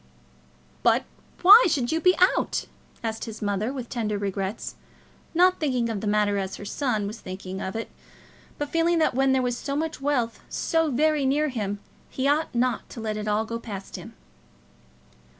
"But why should you be out?" asked his mother with tender regrets, not thinking of the matter as her son was thinking of it, but feeling that when there was so much wealth so very near him, he ought not to let it all go past him.